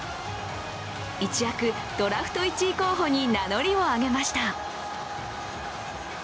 一躍ドラフト１位候補に名乗りを上げました。